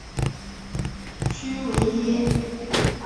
屈维耶。